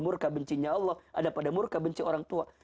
murka bencinya allah ada pada murka benci orang tua